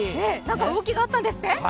何か動きがあったんですって？